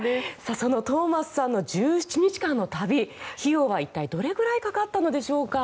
そのトーマスさんの１７日間の旅費用は一体どれくらいかかったのでしょうか。